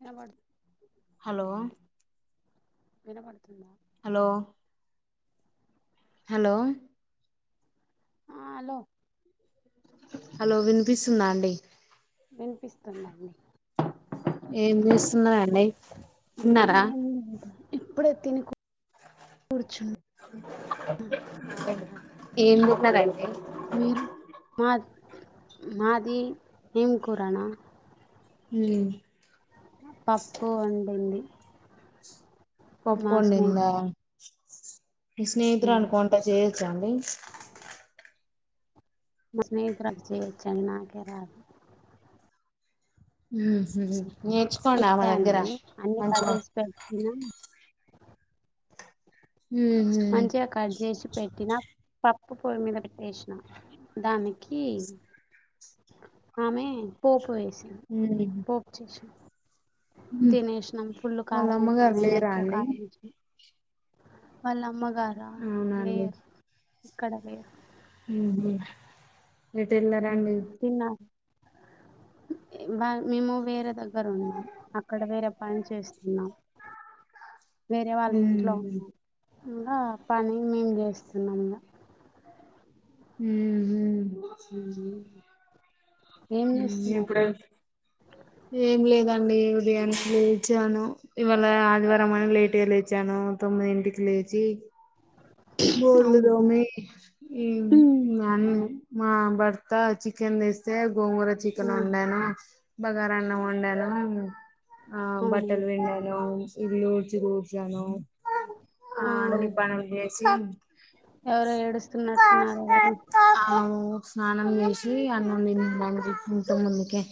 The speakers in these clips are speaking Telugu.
వినబడు హలో వినబడుతుందా హలో హలో ఆ అలో హలో వినిపిస్తుందా అండి. వినిపిస్తుందండి ఏం చేస్తున్నారండి తన్నారా. తినెకు కూర్చున్ ఏం బొక్నారంది మీరు మాద్ మాది ఏం కూరనా యులేజ్ పప్పు వండింది. మా పప్పోండిందా స్నేహితురాలు మీ ఉమ్, స్నేహితురాలు కొంట చేయొచ్చా అండి మా స్నేహితురాలికి చేయొచ్చండి నాకే రాదు. ఊహు తిట్టాను అన్నీ కట్ మంచిగా చేసి పెట్టినా. ఉహు మంచిగ కట్ చేసి పట్టిన పప్ ప్పు పొయ్యి మీద పొట్టేసిన దానికి ఆమె పోపు వేస్ చి పోపు చేసిన ఉమ్ తినేసినాం ఫుల్ వాళ్ళ కారం ఐతాంది అమ్మగారు మేము లేరా ఎక్కువ అండి కారం వేసినం వాళ్ళ అమ్మగ్ గార అవునండి లేరు క్కడ లేరు ఊహు ఎటు ఎల్లారండి బా మేము వేరే దా దగ్గరున్నాం అక్కడ వేరే పని చేస్తున్నాం వేరే వాళ్ళ ఇంట్లో ఉమ్ ఉన్నాం ఇంకా పని మేం చేస్తున్నాం ఇగ ఊహు ఊ ఇప్పుడు ఏం లేదం అండి ఉదయానే లేచాను. ఇవాళ ఆదివారం అని లేట్గా లేచాను తొమ్మిదింటికి లేచి బోల్ అవును దోమ ఉమ్ నను మా భర్త చికెన్ దేసే గోంగూర చికన్ ఉమ్ ఉండనా బగారాన్న వండాల ఆ అవును బట్టలు విండాల ఇదిలోోడిచ్చ కోసనో ఆ అన్నిీ ప న విజ ఎవరో ఏడుస్తున్నట్టున్నారు ఎవరు స్నం చేసి అన్నంం తిింటా ముందుకే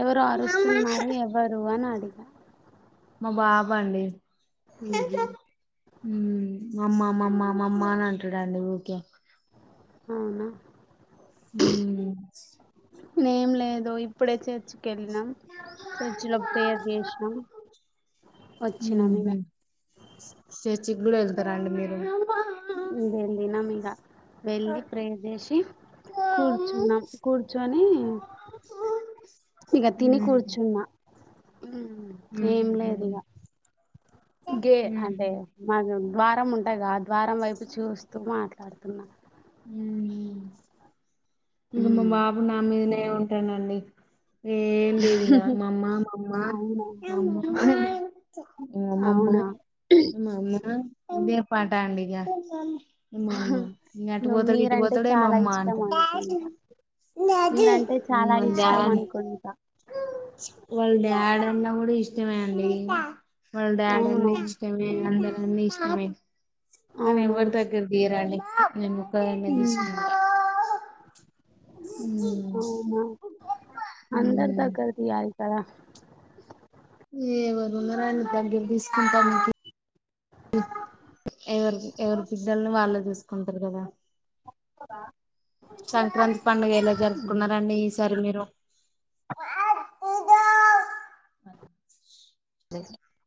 ఎవరు అరుస్తున్నారు ఎవరు అని అడిగి అ మా బాబా అండి హ అమ్మామ్మ్మామ్ అమ్మ అని అంటాడండి ఓకే అవునా హ నేం లేదు ఇప్పుడే చేర్చు కెళ్ళినాం చర్జులో తయర్ చేసినాం వచ్చినాం ఇక చిగ్గులు వెళ్తారా అండి మీరు ఇదేంది నంీద వెళ్ళి ప్రే చేేసి కూర్చున్నాం కూర్చొని ఇక తిని ఉమ్ కూర్చున్నా ఏం లేదు ఇక గే ఉమ్ అదే మాధం ద్వారం ఉంటాగా ద్వారం వైపు చూస్తూ మాట్లాడుతున్నారు మ ఇమ్ మా ఉమ్. బాబు నామ్దిన ఉ తినండి ఏం లేదిగా మామ్మ మామ్మ అవునా మ్మ్ మామ్మమ్మ అవునా మమ్మా ఇదే పాడండిగా ఏమమ్మా అటుపోతాడు ఇటుపోతాడు ఏం అమ్మ అంటాడు. ఇంకా మీరంటే చాలా ఇష్టం అనుకుంటా వాళ్ల డాడ్ అన్నా కూడా ఇష్టమే అండి. వాళ్ళ డాడ్ అవునా అన్ని ఇష్టమే అందరూ అన్నీ ఇష్టమే కానీ అవునా ఎవరు దగ్గర లేరండి నేను ఒక్క కాయనే ఉమ్, తీసుకుంటా. అవునా అందరు దగ్గర తీయాలి. పదా ఎవరు ఉన్నారని దగ్గరికి తీసుకుంటానికి ఎవరు ఎవరు బిడ్డల్ని వాళ్ళు చూసుక్ కొంటరు కదా పదా సంక్రాంతి పండగ ఎలా జరుపుకున్నారండి ఈసారి మీరు ఆ [unintelligible]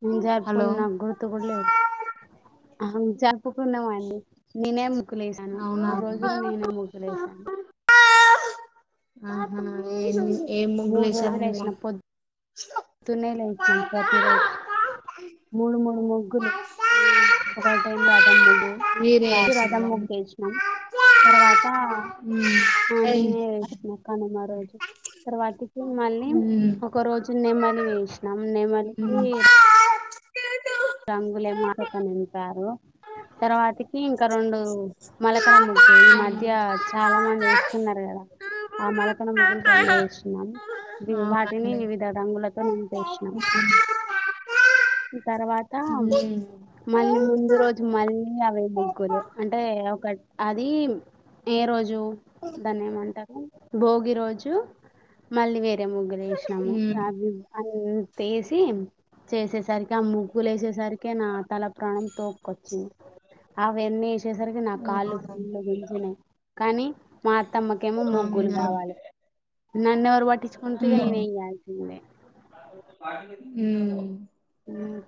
మేం జరుపుకున్నం గుర్తు కూడా లేదు అవును జరుపుకున్నామండి నేనేమ్ ముగ్గులు ఎసాను అవునా మూడు రోజుల నేనే ముగ్గులు ఎసాను ఆహా ఏమి ఏం ముగ్గులు మూడు రోజులు వేశారండి వేసిన [unintelligible] పొద్దున్నే లేషనం ప్రతిరోజు మూడు మూడు ముగ్గులు ఒక టైం రథం ముగ్గు మీరే ఫస్ట్ రథం ఏసిల్లా ముగ్గు ఎష్నం తరువాత మ్మ్ ఆ ఏయ్ నేనే వేసిన కనుమ రోజు తరువాతకీ మళ్ళీ మ్మ్ ఒకరోజు నెమలి నమ్ నెమలికి మ్మ్ అవునండి రంగులేమో [unintelligible] తో నింపారు తర్వాత కి ఇక రెండు మలకల ముగ్గు ఈ మధ్య చాలామంది వేస్తున్నారు కదా ఆ మలకల ముగ్గులు రెండు వేషినం వాటిని వివిధ రంగులతో నింపేషినం తర్వాత మ్మ్ మళ్లీ ముందు రోజు మళ్ళీ అవే ముగ్గులు హలో అంటే ఒకట్ అది ఏ రోజు జూ దాన్ని ఏమంటారు భోగి రోజు మళ్ళీ వేరె అ ముగ్గులు ఎషినము అవి అవ్ తీసి చేసేసి సరికి ఆ ముగ్గులు వేసేసరికి నా తల ప్రాణం తోపుకొచ్చింది అవన్నీ వేసేసరికి నా మ్మ్ కాళ్ళు అవునండి ఫుల్లు గుంజినాయి కానీ మా అత్తమ్మకేమో ముగ్గులు అవునా కావాలె నన్ను ఎవరు పట్టించుకుంటర్ ఇగా నేన్ ఉమ్ ఏయాల్సిందే మ్మ్ మ్మ్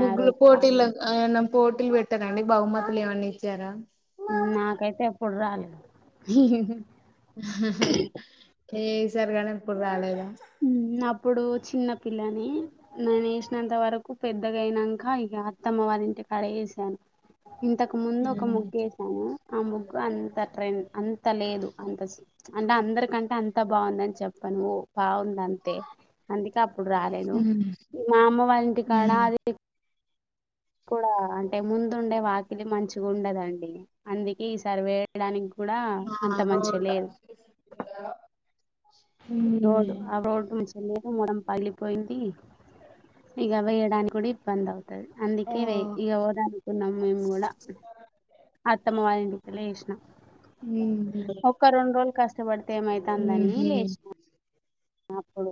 ముగ్గుల పొట్టిలక్ ఏమైనా పోటీలు పెట్టారండి బహుమతులు ఏమన్న ఇచ్చారా నాకైతే ఎప్పుడు రాలే ఎసరు గానీ ఇప్పుడు రాలేదు అప్పుడు చిన్న పిల్లని నేను వేసినంత వరకు పెద్దగా అయినాక ఇక అత్తమ్మ వారి ఇంటి కడ వేసాను ఇంతకు ముందు ఒక ఉమ్ ముగ్గు వసాను ఆ ముగ్గు అంత ట్రైం అంత లేదు అంత అంటే అందరికంటే అంత బాగుందని చెప్పాను ఓ బాగుంది అంతే అందుకే అప్పుడు రాలేదు ఉమ్ మా అమ్మ వాళ్ళ ఇంటికాడ ఉమ్ అది కూడా అంటే ముందుండే వాకిలి మంచిగా ఉండదండి అందుకే ఈ సరివేయడానికి కూడా ఆ అంత మంచిగా రోల్ లేదు ఉమ్ రోడ్ ఆ రోడ్ తె మరం పగిలి పోయిందు ఇగా వేయడానికి కూడా ఇబ్బంది అవుతుంది అందుక ఆ నే ఈక పోనీ అనుకున్న కూడా ఆత్తమ్మ వాల ఇంట్ల వేస్నా ఉమ్ నా ఒక్క రెండు రోజులు కష్టపడితే ఏమైతుందని ఉహు లేసి అప్పుడు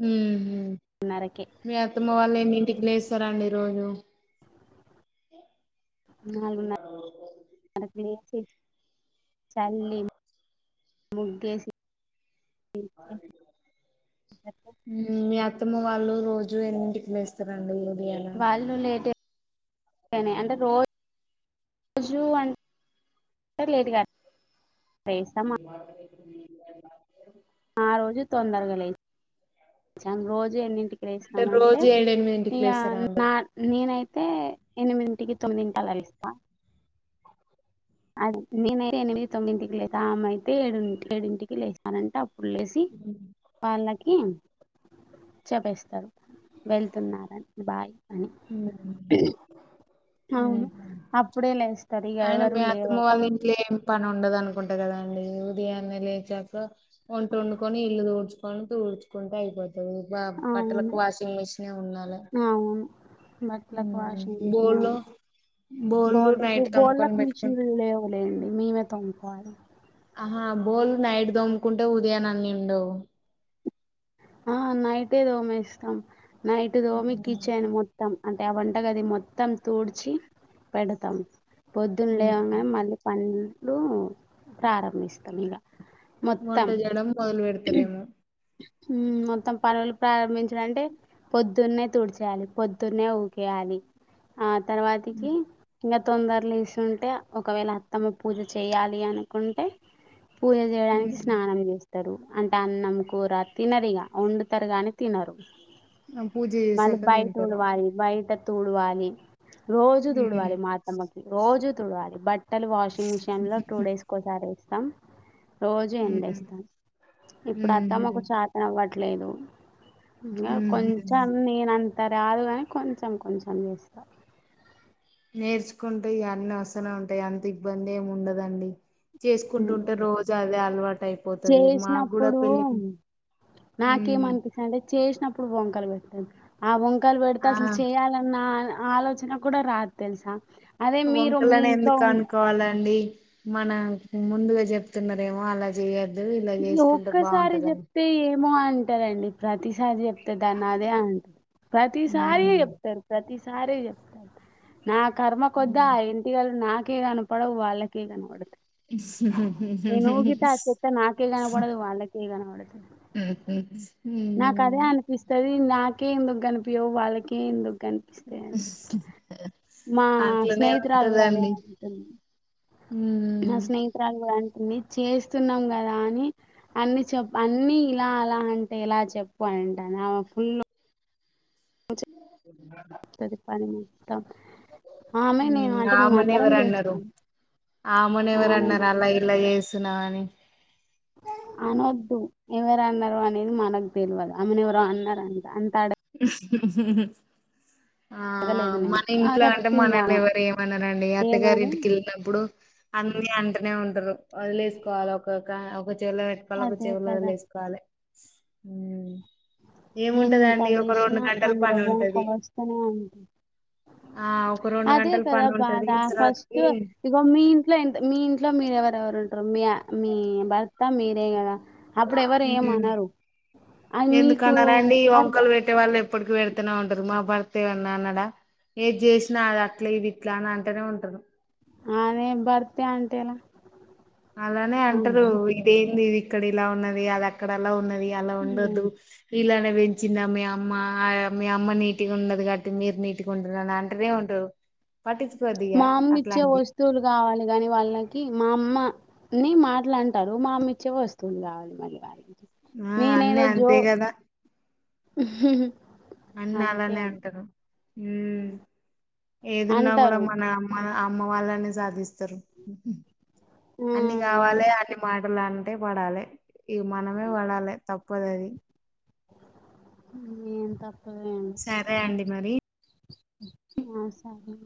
హ దినరకే మార్నింగ్ మీరు అన్నింటికి లేస్తారండి రోజు నాలుగున్నరకు లేసి చల్లి ముగ్గేసి మీ అత్త మ వాళ్ళు రోజు ఎంనిమిడి వస్తారండి వాళ్ళు లెటే అంటే రోజు రోజు అంటే లెట్గా మాట మ్ ఆ రోజు తొందరగా లేచాం రోజు ఎన్నింటి అంటే లేస్తామంటే రోజు ఏడెనిమిదింటికి ఇగ లేస్తారా అండి నా నేనై అయితే ఎనిమిదింటికి తొమ్మిదింటికి అల లేస్తా అది నేనైతే ఎనిమిది తొమ్మిదింటికి లేస్తా అమె అయితే ఏడింటి ఏడింటికి లేస్తానంటే అ ప్పుడు లేసి వాళ్ళకి చెపేస్తారు వెళ్తున్నారని బాయ్ అని మ్మ్ అవును మ్మ్ అప్పుడే లేస్తారు ఇగ అయిన ఎవరు మీ అత్తమ్మ లేవరు వాళ్ళ ఇంట్లో ఏమి పని ఉండదు అను కుంట కదండి ఉదయాన్నే లేచాక వంట వండుకొని ఇల్లు తూడ్చుకొని తూడ్చుకుంటే అయిపోతుంది మ్ బా అవును బట్టలకు వాషింగ్ మిషినే ఉన్నాలి అవును బట్టలకు వాషింగ్ మిషిన్ ఏ బోళ్ళు బోళకు నైట్ తోముకొని బోళ్ళలకు మిషిన్ పెట్టుకుంట లేవు లేండి మీ తొముకోవాలి ఆహా బోల్ నైట్ తోముకుంటే ఉదయాన అన్ని ఉండవు ఆ నైటే తోమెస్తాం నైటే తోమి ఉమ్. కిచెన్ మొ త్తం అంటే ఆ వంటగది మొత్తం తూడ్చి పెడతాం పొద్దున్న ఉమ్. లేవాంగానే మళ్ళీ పని నులు ప్రారంభిస్తాం ఇగ వంట మొత్తం చేయడం మొదలు పెడతారేమో మ్మ్ మొత్తం పనులు ప్రారంభించడం అంటే పొద్దున్నే తుడిచేయాలి పొద్దున్నే ఊకేయాలి ఆ ఉమ్. తర్వాతికి ఇంగా తొందర లేసి వుంటే ఒకవేళ అత్తమ్మ పూజ చేయాలి అనుకుంటే పూజ చేయడానికి ఉమ్. స్నానం చేస్ అంటే అన్నం కూర తినరు ఇగ వండుతారు కానీ తినరు పూజ మళ్ళీ చేసాక బయట తింటారు ఊడవాలీ బైట తూడ్వాలి రోజు హ్మ్ తూడ్వాలి మా అత్తమ్మ కి రోజు తుడ్వాలి బట్ ట్టలు వాషింగ్ మిషీన్ లో టూ డేస్ కోసారీ వే తం రోజు హ్మ్ ఎండేస్తాను ఇప్పుడు అత్తమ్మకు హుహు పా ఇవ్వట్లేదు ఇంకా కొంచెం హుహు నేనం అంత రాదు కానీ కొంచెం కొంచెం చేస్తాం నేర్చుకుంటే ఇవన్నీ వస్తనే ఉంటాయి అంత ఇబ్బంది ఏమి ఉండదండి చేసుకుంటుంటే ఉమ్. రోజు అదే అలవాటు అయిపోతది మాకు కూడా చేసినప్పుడు పెళ్ళకి ముం ఇప్పుడు వంకలు పెడ్తది ఆ వం కలు పెడ్తది ఆ అసలు చేయాలన్నా ఆలోచన కూడ రాదు తెలుసా అదే మీరు మీ వంకలని ఇంట్లో ఎందుకు ఉం- అనుకోవాలండి మనం ముందుగా చెప్తున్నారేమో అలా చెయాలి ఇట్ల ఒక్కసారి చెప్తే ఏమో అంటారండి ప్రతిసారి చెప్ ప్తే దాన్ని అదే అంటరు ప్రతిసారి హ్మ్ చెప్తారు ప్రతి సా సారి చెప్తారు నా కర్మ కొద్ది ఆ హ్మ్ ఇంటి వాళ్లు నాక్ కే కనపడవు వాళ్ళకి కనపడతది ఇ నేను నూకితె ఆ చెత్త నాకే కనపడదు వాళ్ళకె కనబడు ఉహు ఉం అదే అనిపిస్తది నాకే ఎందుకు కనిపియ్యవు వాళ్ళకే ఎందుకు కనిపిస్తాయి అని మా అట్లనే స్నేహితురాలు కూడ అదే ఉంటదండి అంటుంది మా ఉమ్ స్నేహితురాలు కూడా అ అంది చేస్తున్నాం కదా అని అన్ని చెప్పు అన్ని ఇంగ అలా అంటే ఇలా చెప్పు అంటని ఆమె ఫుల్ చదుపాని మొత్తం ఆమ నేను అంటె మేం అందరం చేస్తాము ఆమెని ఎవరన్నార అలా ఇలా చెస్ తనాని అనొద్దు ఎవరు అన్నారు అనేది మనక్ తెల్వదు ఆమెను ఎవరో అన్నారంట అంట ఆ అడగలేదు నేను మన ఇంట్లో అంటె చెప్పిందామ మనల్ని ఎవరు ఏమనరండి అత్తగారి ఏమని ఇంటికి ఎళ్ళినప్పుడు అన్ని అంటనే ఉంటరు వదిలేసుకోవాలి ఒకొక్క ఒక చె చెవిలో పెట్టుకోవాలి ఒక అదే చెవిలో కదా వదిలేసుకోవాలి ఉం ఎంతమేష్ ఐన గంటల అందులో పని బూమ్ ఉంటది కోస్తనే ఉంటది ఆ ఒక రెండు అదే గంటల కదా పని బాధ ఉంటది ఫస్ట్ తర్వాతకి ఇగో మీ ఇంట్లో ఎంత మీ ఇంట్లో మీరెవరెవరు ఉంట రు మీఆ మీ బర్త మీరు రే గద అప్పుడు ఎవరు ఏం అనరు ఎందుకన్నానండి ఈ వంకలు పెట్టే వాళ్ళు ఎప్పుటికి పెడుతున్నావ్ అంటరు మా భర్త ఏమన్నా ఆన్నాడ ఏది చేసినా అద ఇవి ఇట్లా అని అంటేనే ఉంటంది. ఆమె బర్త అంతే లా. అలానే అంటారు ఇదేంది ఇది. ఇక్కడ ఇలా ఉన్నది అది అక్కడలా ఉన్నది. ఎలా ఉండదు ఇలానే వెంచినద మి. మా య మీ అమ్మ నీటిగా ఉండదు కాబట్టి మీరు నీటిగా ఉండరు అంటేనే ఉంటారు. పట్టించుకోవద్దు ఇగ మా అమ్మ ఇచ్చే అట్లాంటి వొస్తువులు కావాలి గాని వాళ్ళకి మా అమ్మ. అన్నీ మాటలు అంటారు మా అమ్మ ఇచ్చే వస్తువులు కావాలి మళ్ళీ వారికి. ఆ అన్నీ అంతే కదా. [inaudible] అన్న అంతే అలానే అంటారు. ఊమ్. ఏదున్నా కూడా అంటారు మన మన. అమ్మ వాళ్ళనే సాధిస్తారు. ఆ అన్నీ కావాలె అన్నీ మా. వలంటే అంటే పడాలె. ఇగ మనమే వడాలె తప్. పదది. ఏంతప్. సరే అండి మరీ. ఏమో ఆ సరే